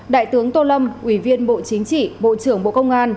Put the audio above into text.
đại tướng tô lâm ủy viên bộ chính trị bộ trưởng bộ công an